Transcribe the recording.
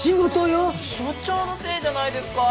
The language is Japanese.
所長のせいじゃないですか！